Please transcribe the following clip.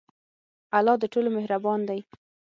الله د ټولو مهربان دی.